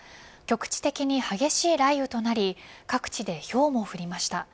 局地的に激しい雷雨となり各地でひょうも降りました。